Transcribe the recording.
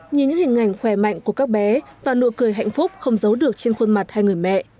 nhìn những hình ảnh khỏe mạnh của các bé và nụ cười hạnh phúc không giấu được trên khuôn mặt hai người mẹ